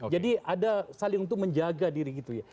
jadi ada saling untuk menjaga diri gitu ya